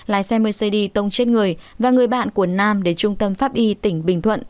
lái xe mercedes tông chết người và người bạn của nam đến trung tâm pháp y tỉnh bình thuận